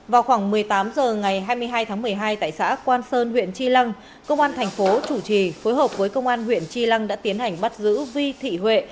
vào khoảng một mươi tám h ngày hai mươi hai tháng một mươi hai tại xã quan sơn huyện tri lăng công an thành phố chủ trì phối hợp với công an huyện tri lăng đã tiến hành bắt giữ vi thị huệ